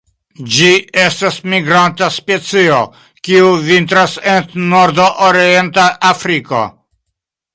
Ĝi estas migranta specio, kiu vintras en nordorienta Afriko.